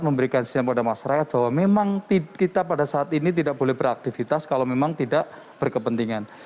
memberikan sinyal pada masyarakat bahwa memang kita pada saat ini tidak boleh beraktivitas kalau memang tidak berkepentingan